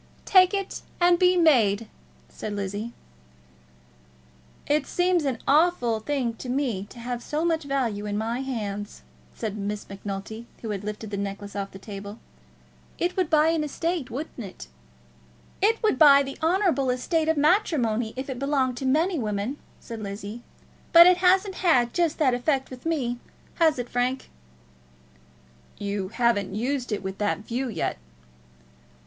"Take it and be made," said Lizzie. "It seems an awful thing to me to have so much value in my hands," said Miss Macnulty, who had lifted the necklace off the table. "It would buy an estate; wouldn't it?" "It would buy the honourable estate of matrimony if it belonged to many women," said Lizzie, "but it hasn't had just that effect with me; has it, Frank?" "You haven't used it with that view yet."